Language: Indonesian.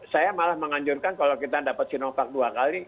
saya malah menganjurkan kalau kita dapat sinovac dua kali